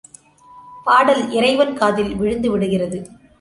பாடல் இறைவன் காதில் விழுந்து விடுகிறது.